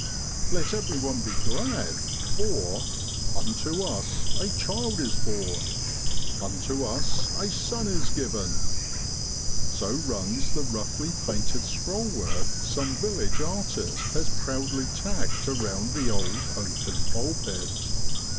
let everyone be glad, for ' Unto us a Child is born, unto us a Son is given,' so runs the roughly painted scrollwork some village artist has proudly tacked around the old oaken pulpit.